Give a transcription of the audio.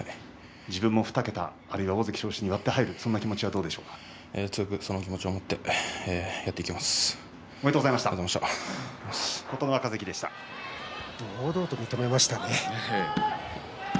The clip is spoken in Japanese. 自分も２桁、２人が大関昇進に割って入るそんな気持ちは強くその気持ちを持っておめでとうございました堂々と認めましたね。